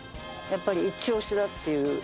やっぱり一押しだっていう。